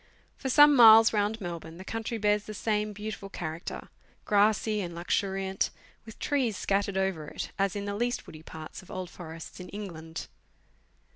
For some miles round Melbourne, the country bears the same beautiful character grassy and luxuriant, with trees scattered over it, as in the k'ust woody parts of old forests in England.